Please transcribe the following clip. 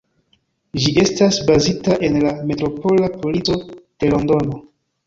Ĝi estas bazita en la Metropola Polico de Londono.